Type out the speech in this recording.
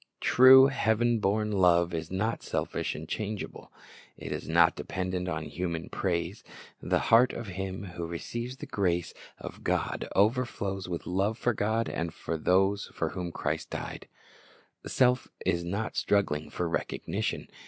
True, heaven born love is not selfish and changeable. It is not dependent on human praise. The heart of him who receives the g race of 102 Christ's Object Lessons God overflows with love for God and for those for whom Christ died. Self is not struggling for recognition.